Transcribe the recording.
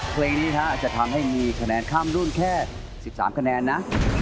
เพลงนี้อาจจะทำให้มีคะแนนข้ามรุ่นแค่๑๓คะแนนนะ